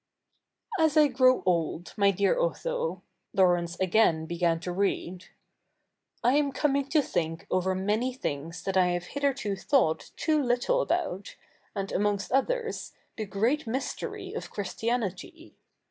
^ As I grow old, my dear Otho,^ Laurence again began to read, '/ a?n coffuug to thi?ik over many things that I have hitherto thought too little abotit, and, a?nongst others, the great mystery of Ch?'istia7iity.